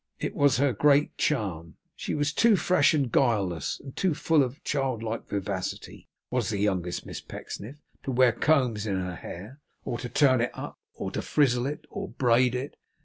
It was her great charm. She was too fresh and guileless, and too full of child like vivacity, was the youngest Miss Pecksniff, to wear combs in her hair, or to turn it up, or to frizzle it, or braid it.